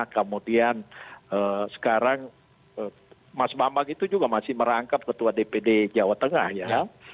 kemudian sekarang mas bambang itu juga masih merangkap ketua dpd jawa tengah ya